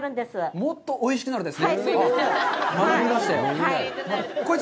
もっとおいしくなるですね？